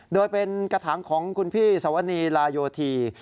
โดยเป็นกระถางของคุณพี่สวนีลายโยธี